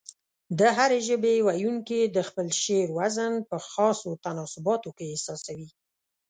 د هرې ژبې ويونکي د خپل شعر وزن په خاصو تناسباتو کې احساسوي.